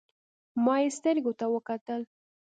ما يې سترګو ته وکتل.